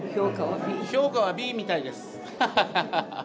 評価はＢみたいです。